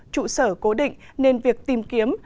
chủ sở cố định nên việc tìm kiếm